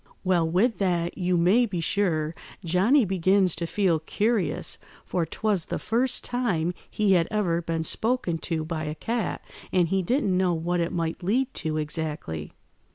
"Well, with that, you may be sure, Johnny begins to feel curious, for 'twas the first time he had ever been spoken to by a cat, and he didn't know what it might lead to exactly.